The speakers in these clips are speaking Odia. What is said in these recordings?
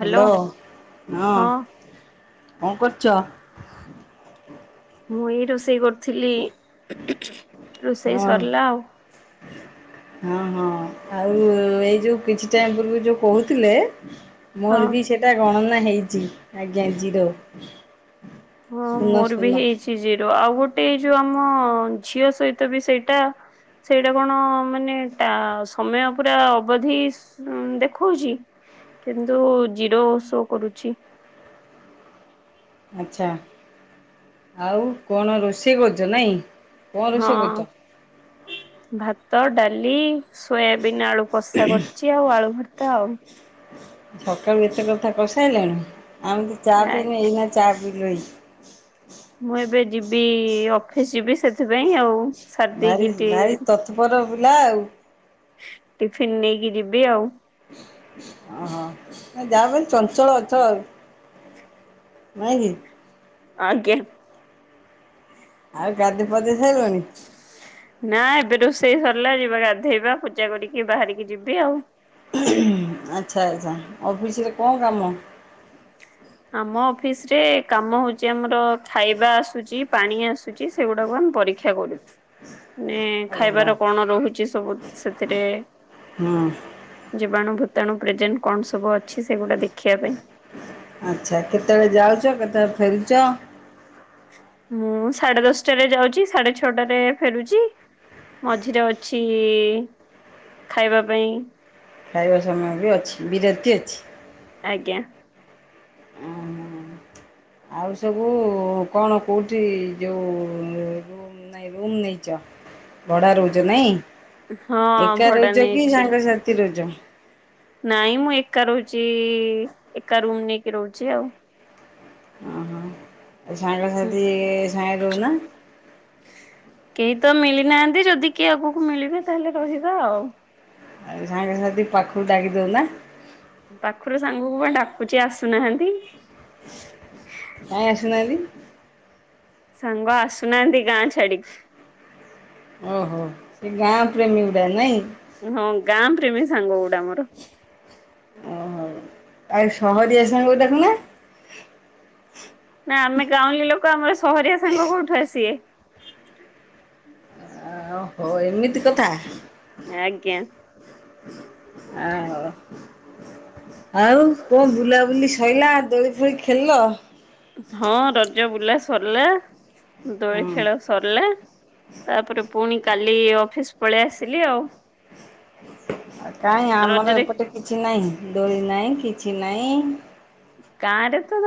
ହ୍ୟାଲୋ ହଁ କଣ କରୁଚ? ମୁଁ ଏଇ ରୋଷେଇ କରୁଥିଲି। ରୋଷେଇ ହଁ। ସରିଲା ଆଉ ହଁ ହଁ ଆଉ ଏଇ ଯୋଉ କିଛି ଟାଇମ ପୂର୍ବରୁ ଯୋଉ କହୁଥିଲେ ହଁ। ମୋର ବି ସେଟା ଗଣନା ହେଇଛି ଆଜ୍ଞା ଜିରୋ। ହଁ ଶୂନ ମୋର ବି ଶୂନ। ହେଇଚି। ଜିରୋ ଆଉ ଗୋଟେ ଏଇ ଯୋଉ ଆମ ଝିଅ ସହିତ ବି ସେଇଟା ସେଇଟା କଣ ମାନେ ଟା ସମୟ ପୁରା ଅବଧିସ ଦେଖଉଚି କିନ୍ତୁ ଜିରୋ ଶୋ କରୁଛି। ଆଚ୍ଛା ଆଉ କଣ ରୋଷେଇ କରୁଚ ନାଇଁ। କଣ ହଁ ରୋଷେଇ କରୁଛ? ଭାତ, ଡାଲି, ସୋୟାବିିନ୍ ଆଳୁ କଷା କର ଚି ଆଉ ଆଳୁ ଭର୍ତା ଆଉ। ସକାଳୁ ଏତେ କଥା କରି ସାଇଲେଣି ଆମେ ତ ଚା ଆ ପିଇନୁ ଏଇନା ଚା ପିିଇଲୁ ହେଇ। ମୁଁ ଏବେ ଯିବି ଅଫିସ୍ ଯିବି ସେଥିପାଇଁ ଆଉ ସାରି ଦେଇକି ଭାରି ଟି ଭାରି ତତ୍ପର ପିଲା ଆଉ। ଟିଫିନ୍ ନେଇକି ଯିବି ଆଉ। ଓହୋ ଯାହା ହଉ ଚଞ୍ଚଳ ଅଛ ଆଉ। ନାଇକି? ଆଜ୍ଞା। ଆଉ ଗାଧେ ଫଦେଇ ସରିଲାଣି? ନା ଏବେ ରୋଷେଇ ସରିଲା ଯିବା ଗାଧେଇବା ପୂଜା କରିକି ବାହାରିକି ଯିବି ଆଉ। ଆଚ୍ଛା ଆଚ୍ଛା ଅଫିସ୍ ରେ କଣ କାମ? ଆମ ଅଫିସ୍ ରେ କାମ ହଉଛି ଆମର ଖାଇବା ଆସୁଛି ପାଣି ଆସୁଛି। ସେଗୁଡ଼ାକୁ ଆମେ ପରୀକ୍ଷା କରୁଛୁ ମେ ଓହୋ ଖାଇବାର କଣ ରହୁଛି ସବୁ ସେଥିରେ ହଁ [inaudible] ଜୀବାଣୁ ଭୂତାଣୁ ପ୍ରେଜେଣ୍ଟ କଣ ସବୁ ଅଛି ସେଗୁଡ଼ା ଦେଖିବା ପାଇଁ। ଆଚ୍ଛା କେତେବେଳେ ଯାଉଛ କେତେବେଳେ ଫେରୁଛ? ମୁଁ ସାଢ଼େ ଦଶଟାରେ ଯାଉଛି ସାଢ଼େ ଛଅଟାରେ ଫେରୁଛି। ମଝିରେ ଅଛି ଖାଇବା ପାଇଁ। ଖାଇବା ସମୟ ବି ଅଛି ବିରତି ଅଛି। ଆଜ୍ଞା। ଓ [inaudible] ଆଉ ସବୁ କଣ କଉଠି ଯେଉଁ ମୋ ନାଇ ରୁମ୍ ନେଇଚ ଭଡ଼ା ରହୁଚ ନାଇଁ। ହଁ ଏକା ଭଡା ରହିଚ କି ନେଇଛି ର। ସାଙ୍ଗସାଥି ରହୁଚ? ନାଇଁ ମୁଁ ଏକା ରହୁଛି ଏକା ରୁମ୍ ନେଇକି ରହୁଛି ଆଉ। ଓ ହଁ ସାଙ୍ଗ ସାଥି ସାଙ୍ଗରେ ରହୁନ? କେହି ତ ମିଳି ନାହାନ୍ତି ଯଦି କିଏ ଆଗକୁ ମିଳିବେ ତାହେଲେ ରହିବା ଆଉ। ଆଉ ସାଙ୍ଗ ସାଥି ପାଖକୁ ଡାକି ଦଉନ? ପାଖରୁ ସାଙ୍ଗକୁ ବା ଡାକୁଚି ଆସୁନାହାନ୍ତି। କାଇଁ ଆସୁ ନାହାନ୍ତି? ସାଙ୍ଗ ଆସୁନାହାନ୍ତି ଗାଁ ଛାଡ଼ିକି। ଓହୋ ସେ ଗାଁ ଟ୍ରେନିଙ୍ଗ ପାଇଁ ନାଇଁ? ହଁ ଗାଁ ପ୍ରେମୀ ସାଙ୍ଗ ଗୋଡ଼ା ମୋର। ଓହ ଆଉ ସହରିଆ ସାଙ୍ଗ କୁ ଡାକୁନ? ନା ଆମେ ଗାଉଁଳୀ ଲୋକ ଆମର ସହରିଆ ସାଙ୍ଗ କଉଠୁ ଆସିବେ? ଆ ହଉ ଏମିତି କଥା? ଆଜ୍ଞା। ଓ [inaudible] ଆଉ କଣ ବୁଲାବୁଲି ସଇଲା ଦୋଳି ଫୋଳି ଖେଳିଲ? ହଁ ରଜ ବୁଲା ସରିଲା ଦୋଳି ହୁଁ ଖେଳ ସରିଲା ତାପରେ ପୁଣି କାଲି ଅଫିସ୍ ପଳେଇ ଆସିଲି ଆଉ। କାଇଁ ଆମର ରଜରେ ଏପଟେ କିଛି ନାହିଁ ଦୋଳି ନାହିଁ କିଛି ନାହିଁ। ଗାଁରେ ତ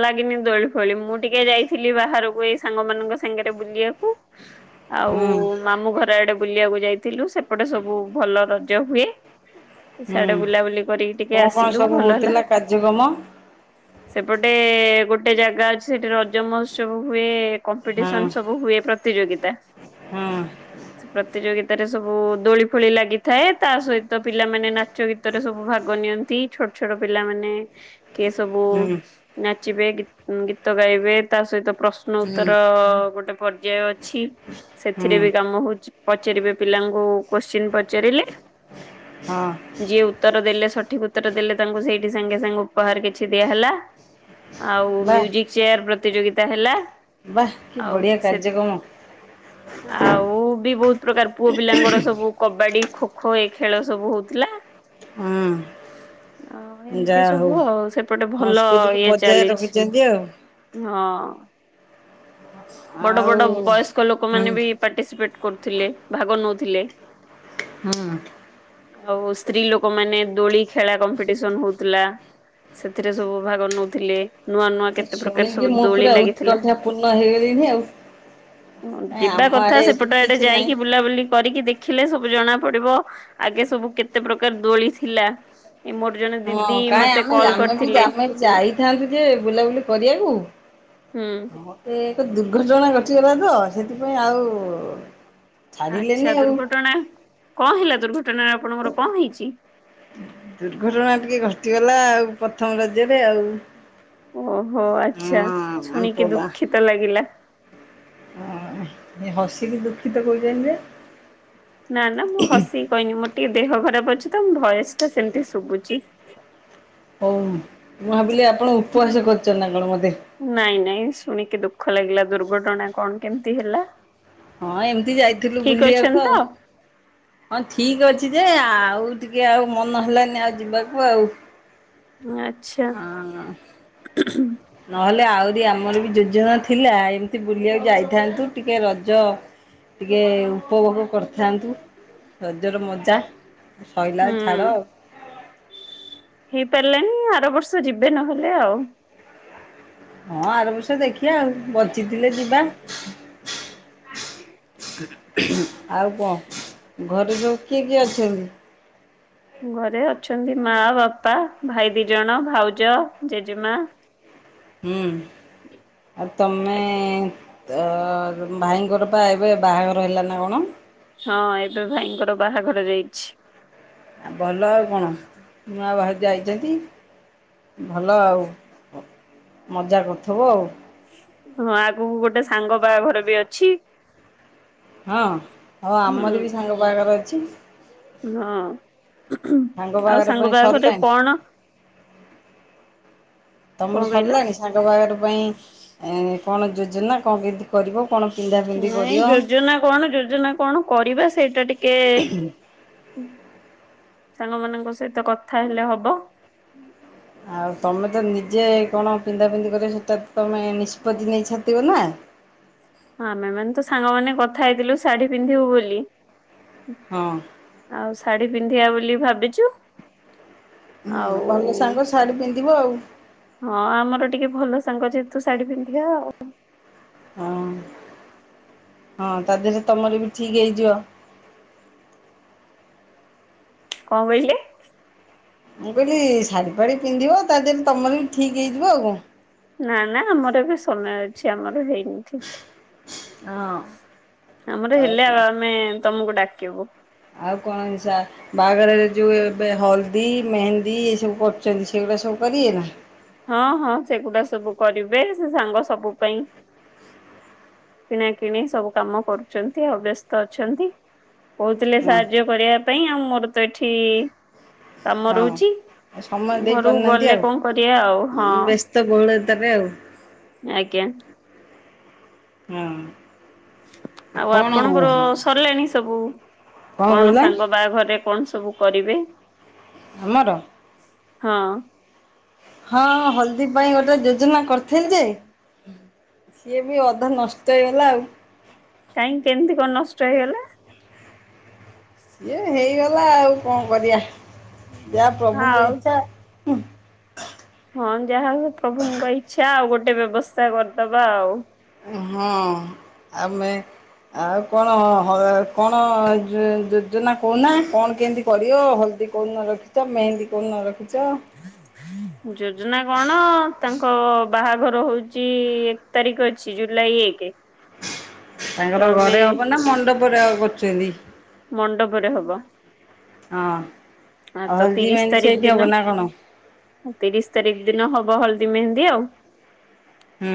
ଲାଗିନି ଦୋଳି ଫୋଳି ମୁଁ ଟିକେ ଯାଇଥିଲି ବାହାରକୁ ଏ ସାଙ୍ଗ ମାନଙ୍କ ସାଙ୍ଗରେ ବୁଲିବାକୁ। ହଁ [inaudible] ଆଉ ମାମୁଁ ଘର ଆଡ଼େ ବୁଲିବାକୁ ଯାଇଥିଲୁ ସେପଟେ ସବୁ ଭଲ ରଜ ହୁଏ। ସିଆଡେ ହୁଁ ବୁଲାବୁଲି କରିକି ଟିକେ ଆସିଲୁ ଭଲ ହେଲା। କାର୍ଯ୍ୟକମ ଏପଟେ ଗୋଟେ ଜାଗା ଅଛି ସେଠି ରଜ ମହୋତ୍ସବ ହୁଏ। ହଁ କମ୍ପିଟିସନ ସବୁ ହୁଏ ପ୍ରତିଯୋଗିତା। ହଁ ପ୍ରତିଯୋଗିତାରେ ସବୁ ଦୋଳି ଫୋଳି ଲାଗିଥାଏ ତା ସହିତ ପିଲାମାନେ ନାଚ ଗୀ ଗୀତରେ ସବୁ ଭାଗ ନିଅନ୍ତି ଛୋଟ ଛୋଟ ପିଲାମାନେ କିଏ ସବୁ ହୁଁ ନାଚିବେ ଗୀ ଗୀତ ଗାଇବେ ତା ସହିତ ପ୍ର ପ୍ରଷ୍ନ ହୁଁ ହୁଁ ଉତ୍ତର ଗୋଟେ ପର୍ଯ୍ୟାୟ ଅଛି ସେଥିରେ ବି ହଁ କାମ ହଉଛି ପଚାରିବେ ପିଲାଙ୍କୁ କୋଶ୍ଚିନ୍ ପଚାରିଲେ। ଯିଏ ଉତ୍ତର ଦେଲେ ସଠିକ ଉତ୍ତର ଦେଲେ ତାଙ୍କୁ ସେଇଠି ସାଙ୍ଗେ ସାଙ୍ଗେ ଉପହାର କିଛି ଦିଆହେଲା। ଆଉ ବାଃ ମିଉଜିକ ଚେୟାର ପ୍ରତିଯୋଗିତା ହେଲା। ବାଃ କି ଆଉ ବଢ଼ିଆ ସେ କାର୍ଯ୍ୟକ୍ରମ ଆଉ ବି ବହୁତ ପ୍ରକାର ପୁଅ ପିଲାଙ୍କର ସବୁ କବାଡି ଖୋଖୋ ଏ ଖେଳ ସବୁ ହଉଥିଲା। ହୁଁ ଆଉ ଏମିତି ଯାହା ହଉ ସବୁ ଆଉ ସେପଟେ ଭଲ ସଂସ୍କୃତିକୁ ଇଏ ବଜାୟ ଚାଲିଛି। ରଖିଛନ୍ତି ଆଉ ହଁ ବଡ ବଡ ଆଉ ବୟସ୍କ ହୁଁ ଲୋକମାନେ ବି ପାର୍ଟିସିପେଟ୍ କରୁଥିଲେ ଭାଗ ନେଉଥିଲେ। ହୁଁ ଆଉ ସ୍ତ୍ରୀ ଲୋକ ମାନେ ଦୋଳି ଖେଳା କମ୍ପିଟିସନ ହଉଥିଲା। ସେଥିରେ ସବୁ ଭାଗ ନଉଥିଲେ। ନୂଆ ନୂଆ କେତେ ପ୍ରକାର ଶୁଣିକି ସବୁ ମୁଁ ଦୋଳି ପୁରା ଲାଗିଥିଲା। ଉତ୍କଣ୍ଠା ପୂର୍ଣ୍ଣ ହେଇଗଲିଣି ଆଉ। କାଇଁ ଯିବା ଆମ କଥା ଆଡେ ଏମିତି ସେପଟେ ଆଡେ କିଛି ନାହିଁ। ଯାଇକି ବୁଲାବୁଲି କରିକି ଦେଖିଲେ ସବୁ ଜଣା ପଡିବ ଆଗେ ସବୁ କେତେ ପ୍ରକାର ଦୋଳି ଥିଲା। ଏଇ ମୋର ଜଣେ ଦିଦି ହଁ କାଇଁ ମ ଆମେ ବି ଆମେ ଜାଇଥାନ୍ତୁ ଯେ ବୁଲାବୁଲି କରିବାକୁ। ହୁଁ ମୋତେ ଏକ ଦୁର୍ଘଟଣା ଘଟିଗଲା ତ ସେଥିପାଇଁ ଆଉ ଛାଡ଼ିଲେନି ଆଚ୍ଛା ଆଉ ଦୁର୍ଘଟଣା କଁ ହେଲା ଦୁର୍ଘଟଣାରେ ଆପଣଙ୍କର କଁ ହେଇଛି। ଦୁର୍ଘଟଣା ଟିକେ ଘଟିଗଲା ଆଉ ପ୍ରଥମ ରଜ୍ୟରେ ଆଉ ଓହୋ ଆଚ୍ଛା ଶୁଣିକି ଦୁଃଖିତ ଲାଗିଲା। ଅ ହସିକି ଦୁଃଖିତ କହୁଛନ୍ତି ଯେ ନା ନା ମୁଁ ହସିକି କହିନି ମୋର ଟିକେ ଦେହ ଖରାପ ଅଛି ତ ମୋ ଭଏସ ଟା ସେମିତି ଶୁଭୁଛି। ହଉ ମୁଁ ଭାବିଲି ଆପଣ ଉପବାସ କରଛନ୍ତି ନା କଣ ମୋଧେ ନାଇଁ ନାଇଁ ଶୁଣିକି ଦୁଃଖ ଲାଗିଲା ଦୁର୍ଘଟଣା କଣ କେମିତି ହେଲା। ହଁ ଏମିତି ଯାଇଥିଲୁ ଠିକ ଅଛନ୍ତି ବୁଲିବାକୁ ଆଉ ତ ହଁ, ଥିକି ଅଛି ଯେ, ଆଉ ଟିକେ ଆଉ ମନ ହେଲାନି ଆଉ ଯିବାକୁ ଆଉ ଆଚ୍ଛା ହଁ ନହେଲେ ଆହୁରି ଆମର ବି ଯୋଜନା ଥିଲା, ଏମିତି ବୁଲିବାକୁ ଯାଇଥାନ୍ତୁ ଟିକେ ରଜ ଟିକେ ଉମ୍ ଉପଭୋଗ କରିଥାନ୍ତୁ ରଜର ମଜା ସଇଲା ହୁଁ। ଛାଡ଼ ଆଉ। ହେଇପାରିଲାନି ଆର ବର୍ଷ ଯିବେ ନହେଲେ ଆଉ ହଁ ଆରବର୍ଷ ଦେଖିବା ଆଉ ବଞ୍ଚିଥିଲେ ଯିବା। ଆଉ କଣ? ଘରେ ସବୁ କିଏ କିଏ ଅଛନ୍ତି? ଘରେଅଛନ୍ତିମା, ବାପା, ଭାଇଦୁଇଜଣ, ଭାଉଜ, ଜେଜେମ- ହୁଁ ଆଉ ତମେ ତ ଅ ଭାଇଙ୍କର ପା ଏବେ ବାହାଘର ହେଲା ନା କଣ? ହଁ ଏବେ ଭାଇଙ୍କର ବାହାଘର ଯାଇଛି। ଆ ଭଲ ଆଉ କଣ? ନୂଆ ଭାଇଜ ଆଇଚନ୍ତି ଭଲ ଆଉ। ମଜା କରୁଥୁବ ଆଉ। ହଁ ଆଗକୁ ଗୋଟେ ସାଙ୍ଗ ବାହାଘର ବି ଅଛି। ହଁ ହଁ ହୁଁ ଆମର ବି ସାଙ୍ଗ ବାହାଘର ଅଛି। ହଁ ସାଙ୍ଗ ଆଉ ବାହାଘର ସାଙ୍ଗ ପାଇଁ ବାହାଘରେ ସରିଲାଣି କଣ କଣ ତମର କହିଲ? ସରିଲାଣି ସାଙ୍ଗ ବାହାଘର ପାଇଁ କଣ ଯୋଜନା କଣ କେମିତି କରିବ କଣ ପିନ୍ଧାପିନ୍ଧି ନାଇଁ କରିବ ଯୋଜନା କଣ ଯୋଜନା କଣ କରିବା ସେଇଟା ଟିକିଏ ହୁଁ ସାଙ୍ଗ ମାନଙ୍କ ସହିତ କଥା ହେଲେ ହବ। ଆଉ ତମେ ତ ନିଜେ କଣ ପିନ୍ଧା ପିନ୍ଧି କରିବ ସେଇଟା ତମେ ନିଷ୍ପତ୍ତି ନେଇସାରିଥିବନା। ହଁ ଆମେମାନେ ତ ସାଙ୍ଗମାନେ କଥା ହେଇଥିଲୁ ଶାଢୀ ପିନ୍ଧିବୁ ବୋଲି। ହଁ। ଆଉ ଶାଢ଼ୀ ପିନ୍ଧିବା ବୋଲି ଭାବିଛୁ। ହୁଁ ଭଲ ଆଉ ସାଙ୍ଗ ଶାଢ଼ୀ ପିନ୍ଧିବୁ ଆଉ ହଁ ଆମର ଟିକିଏ ଭଲ ସାଙ୍ଗ ଯେହେତୁ ଶାଢୀ ପିନ୍ଧିଆ ଆଉ ହଁ ହଁ ତା ଦେହରେ ତମର ବି ଠିକି ହେଇଯିବ। କଣ କହିଲେ? ମୁଁ କହିଲି ଶାଢ଼ୀଫାଢୀପିନ୍ଧିବ ତା ଦେହରେ ତମର ବି ଠିକ୍ ହେଇଯିବ ଆଉ କଣ। ନା ନା ଆମର ଏବେ ସମୟ ଅଛି ଆମର ହେଇନି। ଠିକ୍ କଣ। ହଁ। ଆମର ଆଉ ହେଲେ କଣ ଆମେ ତମକୁ ଡାକିବୁ। ଆଉ କଣ ହିଁ ସାରେ। ବାହାଘରରେ ଯୋଉ ଏବେ ହଲଦୀ ମେହେନ୍ଦୀ ଏ ସବୁ କରୁଚନ୍ତି ସେଉଡା ସବୁ କରିବେ ନା? ହଁ ହଁ ସେଗୁଡା ସବୁ କରିବେ ସେ ସାଙ୍ଗ ସବୁ ପାଇଁ କିଣା କିିଣି ସବୁ କାମ କରୁଚନ୍ତି ଆଉ ବ୍ୟସ୍ତ ଅଛନ୍ତି। କହୁଥିଲେ ହଁ ସାହାଯ୍ୟ କରିବା ପାଇଁ ଆଉ ମୋର ତ ଏଠି କାମ ହଁ ରହୁଚି ଆଉ ସମୟ ଦେଇ ଘରୁକୁ ପାରୁନାହାନ୍ତି ଗଲେ ଆଉ। କଣ କରି ବ୍ୟସ୍ତ ବୋହୁଳ ତାରେ ଆଉ। ଆଜ୍ଞା। ହଁ। ଆଉ କଣ କଣ ଆପଣଙ୍କରସ ସରିଲାଣି ସବୁ କଣ କହିଲ ସାଙ୍ଗ ବାହାଘରରେ କଣ ସବୁ କରିବେ। ଆମର। ହଁ। ହଁ ହଲଦୀ ପାଇଁ ଗୋଟେ ଯୋଜନା କରିଥିଲି ଯେ ସିଏ ବି ଅଧା ନଷ୍ଟ ହେଇଗଲା ଆଉ। କାହିଁକି କେମିତି କଣ ନଷ୍ଟ ହେଇଗଲା? ଇଏ ହେଇଗଲାଆଉ କଣ କରିବା ଯାହା ପ୍ରଭୁଙ୍କ ଆଉ ଇଚ୍ଛା ହୁଁ। ହଁ ଯାହା ହୁଏ ପ୍ରଭୁଙ୍କ ଇଚ୍ଛା ଆଉ ଗୋଟେ ବ୍ୟବସ୍ଥା କରିଦବା ଆଉ ହଁ ଆମେ ଆଉ କଣ ହ କଣ ଯୋ ଯୋଜନା କହୁନା କଣ କେମିତି କରିବ ହଳଦୀ। କୋଉଦିନ ରଖିଛ ମେହେନ୍ଦୀ କୋଉଦିନ ରଖିଚ? ଯୋଜନା କଣ ତାଙ୍କ ବାହାଘର ହୋଉଚି ଏ ଏକ୍ ତାରଖ ଅଛି ଜୁଲାଇ ଏକେ। ତାଙ୍କର ଘରେ ହବ ନା ମଣ୍ଡପରେ ଆଉ କରୁଚନ୍ତି? ମଣ୍ଡପରେ ହବ। ହଁ ଆଉ ତ ହଳଦୀ ତିରିଶ ମେହେନ୍ଦି ତାରିଖ ସେଇଠି ଦିନ ହବ ନା କଣ? ତିରିଶ ତାରିଖ ଦିନ ହବ ହଳଦୀ ମେହେନ୍ଦି ଆଉ। ହୁଁ।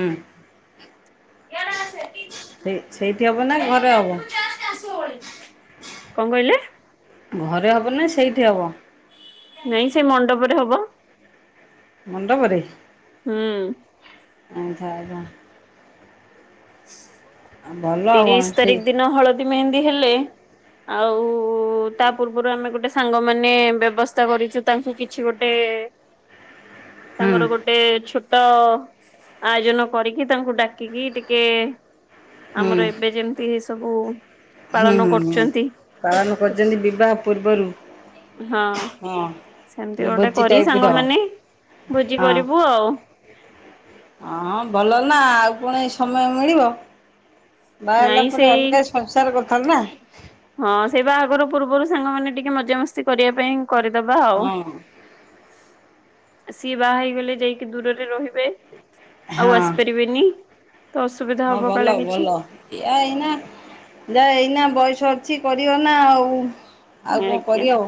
ଇଆଡେ ଆସେ। ସେଇଠି ହବ ନା ଘରେ ହବ? କଣ କହିଲେ ଘରେ ହବ ନା ସେଇଠି ହବ? ନାଇଁ ସେ ମଣ୍ଡପରେ ହବ। ମଣ୍ଡପରେ। ହୁଁ। ଆଚ୍ଛା ଆଚ୍ଛା। ଭଲ ଆଉ କଣ ତିରିଶ ସେଇ ତାରିଖ ଦିନ ହଳଦୀ ମେହେନ୍ଦି ହେଲେ ଆଉ ତା ପୂର୍ବରୁ ଆମେ ଗୋଟେ ସାଙ୍ଗମାନେ ବ୍ୟବସ୍ଥା କରିଚୁ। ତାଙ୍କୁ କିଛି ଗୋଟେ [inaudible] ତାଙ୍କର ଗୋଟେ ଛୋଟ ଆୟୋଜନ କରିକି ତାଙ୍କୁ ଡାକିକି ଟି କେ। ହୁଁ ଆମର ଏବେ ଯେମିତି ଏ ସବୁ ହୁଁ ପାଳନ ହୁଁ କରୁଛନ୍ତି ପାଳନ କିଛି କରିଚନ୍ତି ବିବାହ ପୂର୍ବରୁ? ହଁ ହଁ ସେମିତି ଗୋଟେ ଭୋଜି କରି ଟାଇପ ର ସାଙ୍ଗମାନେ ଭୋଜି କରିବୁ ଆଉ। ହଁଁ ଭଲ ନା ଆଉ ପୁଣି ସମୟ ମିଳିବ। ବାହା ହେଲା ନାଇଁ ପରେ ସେଇ ଅଲଗା ସଂସାର କରିଥାନ୍ତି ନା। ହଁ ସେଇ ବାହାଘର ପୂର୍ବରୁ ସାଙ୍ଗମାନେ ଟିକେ ମଜାମସ୍ତି କରିବା ପାଇଁ କରିଦବା ଆଉ। ହଁ ସିଏ ବାହା ହେଇଗଲେ ଯାଇକି ଦୂରରେ ରହିବେ। ଆଉ ଆସି ହଁ ପାରିବେନି ତ। ଅସୁବିଧା ହବ କାଳେ କିଛି। ଯା ଏଇନା ଯା ଏଇନା ବୟସ ଅଛି କରିବ ନା ଆଉ। ଆଉ କଣ ଆଜ୍ଞା କରିହବ।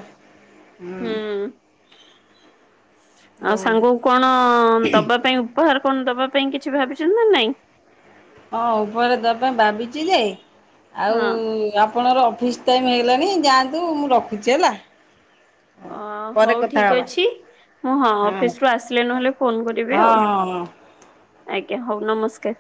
ହୁଁ। ଆଉ ସାଙ୍ଗକୁ କଣ ଦବା ପାଇଁ ଉପହାର କଣ ଦବା ପାଇଁ କିଛି ଭାବିଛନ୍ତି ନା ନାଇଁ? ହଁ ଉପରେ ଦେବା ଭାବିଛି ଯେ ଆଉ ହଁ ଆପଣର ଅଫିସ୍ ଟାଇମ୍ ହେଇଗଲାଣି ଯାଆନ୍ତୁ। ମୁଁ ରଖୁଛି ହେଲା। ଅ ପରେ ହଉ କଥା ଠିକ୍ ହେବା ଅଛି। ମୁଁ ହଁ ଅଫିସରୁ ଆସିଲେ ନ ହେଲେ ଫୋନ୍ କରିବି ହଁ ଆଉ। ହଁ ହଁ। ଆଜ୍ଞା ହଉ। ନମସ୍କାର୍।